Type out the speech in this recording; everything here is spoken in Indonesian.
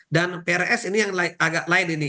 dan prs ini yang agak lain ini